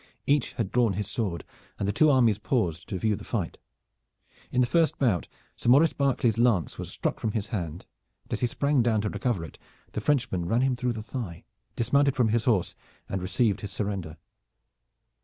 Each had drawn his sword, and the two armies paused to view the fight. In the first bout Sir Maurice Berkeley's lance was struck from his hand, and as he sprang down to recover it the Frenchman ran him through the thigh, dismounted from his horse, and received his surrender.